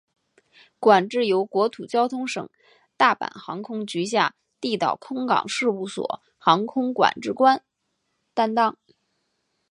管制由国土交通省大阪航空局下地岛空港事务所航空管制官担当。